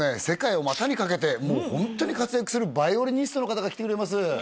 世界を股にかけてホントに活躍するヴァイオリニストの方が来てくれます